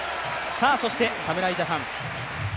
そして侍ジャパン。